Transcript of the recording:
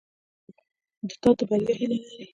• ریښتینی ملګری د تا د بریا هیله لري.